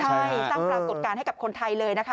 ใช่สร้างปรากฏการณ์ให้กับคนไทยเลยนะคะ